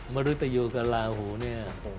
มนุษย์ตะยูกับลาหูนี่